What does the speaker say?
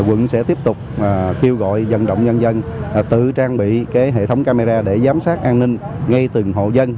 quận sẽ tiếp tục kêu gọi dần động nhân dân tự trang bị hệ thống camera để giám sát an ninh ngay từng hộ dân